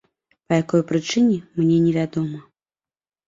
Па якой прычыне, мне не вядома.